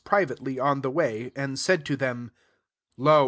privately on the way, and said to them, 18 Lo